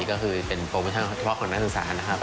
ก็คือเป็นโปรโมชั่นเฉพาะของนักศึกษานะครับ